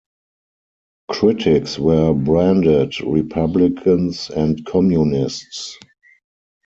Critics were branded republicans and communists.